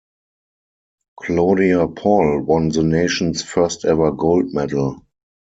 Claudia Poll won the nation's first ever gold medal.